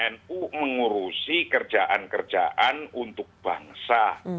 nu mengurusi kerjaan kerjaan untuk bangsa